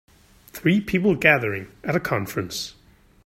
Three people gathering at a conference